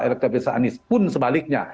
elektriks anis pun sebaliknya